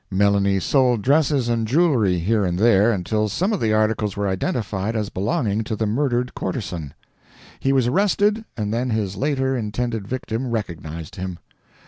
Melanie sold dresses and jewelry here and there until some of the articles were identified as belonging to the murdered courtezan. He was arrested and then his later intended victim recognized him.